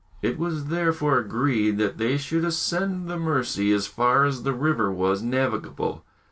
It was therefore agreed that they should ascend the Mercy as far as the river was navigable.